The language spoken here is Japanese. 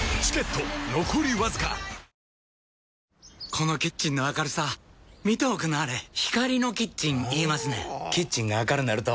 このキッチンの明るさ見ておくんなはれ光のキッチン言いますねんほぉキッチンが明るなると・・・